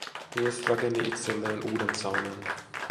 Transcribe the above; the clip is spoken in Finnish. Mies rakensi itselleen uuden saunan